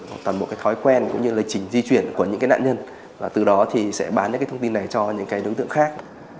những cái thói quen cũng như lệch chỉnh di chuyển của những cái nạn nhân và từ đó thì sẽ bán những cái thông tin này cho những cái đối tượng khác